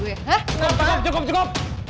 cukup cukup cukup